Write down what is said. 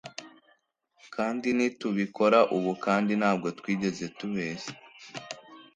kandi ntitubikora ubu kandi ntabwo twigeze tubeshya